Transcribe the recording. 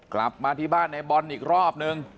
กลับมาที่บ้านในบอลอีกรอบนึง